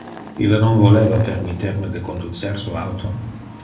Ille non voleva permitter me de conducer su auto.